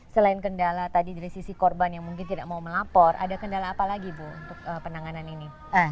selain kendala tadi dari sisi korban yang mungkin tidak mau melapor ada kendala apa lagi bu untuk penanganan ini